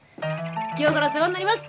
今日から世話になります！